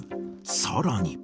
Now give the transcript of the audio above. さらに。